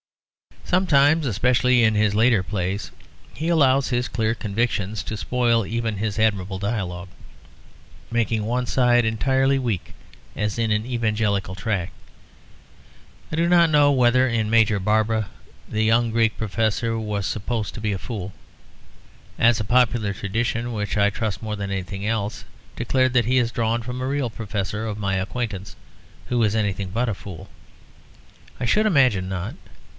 Sometimes, especially in his later plays, he allows his clear conviction to spoil even his admirable dialogue, making one side entirely weak, as in an Evangelical tract. I do not know whether in Major Barbara the young Greek professor was supposed to be a fool. As popular tradition (which I trust more than anything else) declared that he is drawn from a real Professor of my acquaintance, who is anything but a fool, I should imagine not.